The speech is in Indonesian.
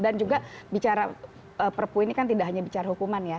dan juga bicara perpu ini kan tidak hanya bicara hukuman ya